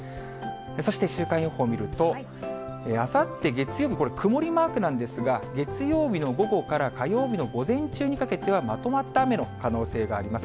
そして週間予報見ると、あさって月曜日、これ、曇りマークなんですが、月曜日の午後から火曜日の午前中にかけては、まとまった雨の可能性があります。